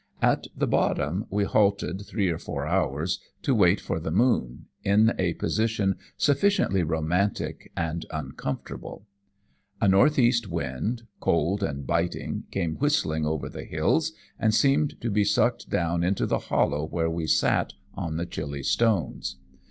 At the bottom we halted three or four hours, to wait for the moon, in a position sufficiently romantic and uncomfortable. A north east wind, cold and biting, came whistling over the hills, and seemed to be sucked down into the hollow where we sat on the chilly stones.